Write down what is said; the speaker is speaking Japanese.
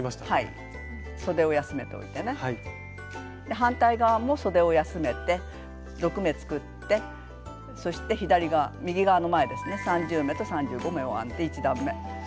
反対側もそでを休めて６目作ってそして左側右側の前ですね３０目と３５目を編んで１段め。